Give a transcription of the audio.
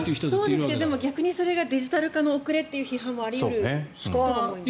でも逆にそれがデジタル化の遅れという批判もあり得ると思います。